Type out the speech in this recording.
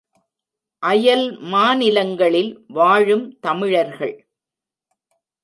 அயல் மாநிலங்களில் வாழும் தமிழர்கள்.